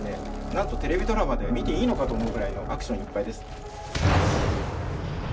なんとテレビドラマで見ていいのか？と思うくらいのアクションいっぱいです。